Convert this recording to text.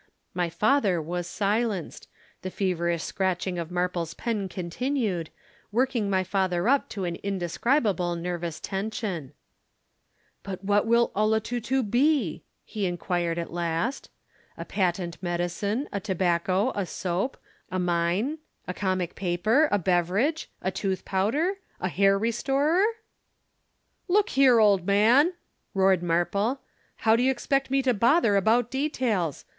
My father was silenced. The feverish scratching of Marple's pen continued, working my father up to an indescribable nervous tension. "'"But what will 'Olotutu' be?" he inquired at last. "A patent medicine, a tobacco, a soap, a mine, a comic paper, a beverage, a tooth powder, a hair restorer?" "'"Look here, old man!" roared Marple. "How do you expect me to bother about details?